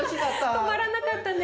止まらなかったね。